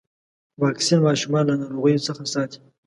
واکسین ماشومان له ناروغيو څخه ساتي.